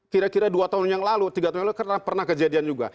kira kira dua tahun yang lalu tiga tahun yang lalu karena pernah kejadian juga